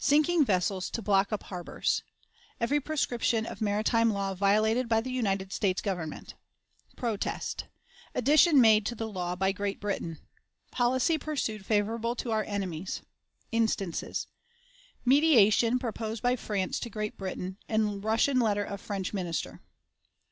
Sinking Vessels to block up Harbors. Every Proscription of Maritime Law violated by the United States Government. Protest. Addition made to the Law by Great Britain. Policy pursued favorable to our Enemies. Instances. Mediation proposed by France to Great Britain, and Russian Letter of French Minister.